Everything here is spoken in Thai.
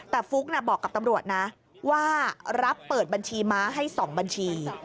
แต่ฟุ๊กบอกกับตำรวจนะว่ารับเปิดบัญชีม้าให้๒บัญชี